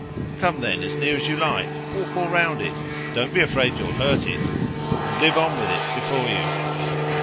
Come then as near it as you like, walk all round it don't be afraid you'll hurt it! and live on with it before you."